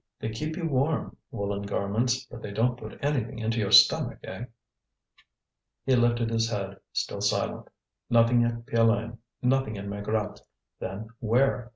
They keep you warm, woollen garments, but they don't put anything into your stomach, eh!" He lifted his head, still silent. Nothing at Piolaine, nothing at Maigrat's: then where?